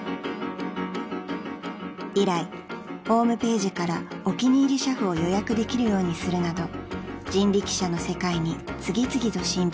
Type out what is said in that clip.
［以来ホームページからお気に入り俥夫を予約できるようにするなど人力車の世界に次々と新風を吹き込み］